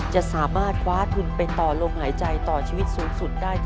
จะสามารถคว้าทุนไปต่อลมหายใจต่อชีวิตสูงสุดได้